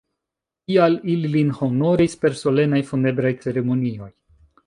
Tial ili lin honoris per solenaj funebraj ceremonioj.